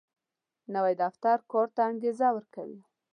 نوی دفتر کار ته انګېزه ورکوي